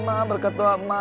ma berkata ma